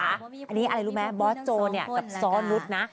อันนี้อะไรรู้ไหมบอสโจเนี่ยกับซ้อนรุ๊ดนะ